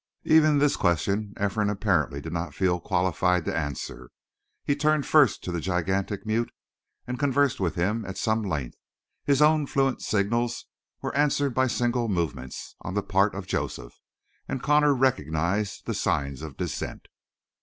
Even this question Ephraim apparently did not feel qualified to answer. He turned first to the gigantic mute and conversed with him at some length; his own fluent signals were answered by single movements on the part of Joseph, and Connor recognized the signs of dissent.